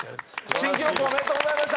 新記録おめでとうございました。